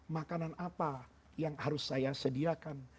makanan apa yang harus saya sediakan